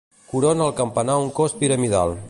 Corona el campanar un cos piramidal.